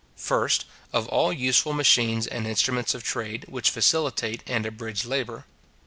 First, of all useful machines and instruments of trade, which facilitate and abridge labour.